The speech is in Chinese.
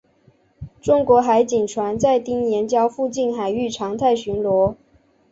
中国海警船在丁岩礁附近海域常态巡逻。